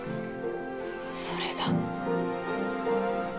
それだ。